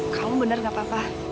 kamu benar gak apa apa